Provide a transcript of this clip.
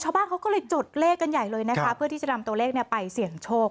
ชาวบ้านเขาก็เลยจุดเลขกันใหญ่เลยนะคะเพื่อที่จะนำตัวเลขไปเสี่ยงโชค